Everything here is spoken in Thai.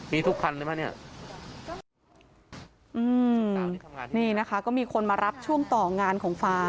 มีทุกคันเลยไหมเนี้ยอืมนี่นะคะก็มีคนมารับช่วงต่องานของฟ้า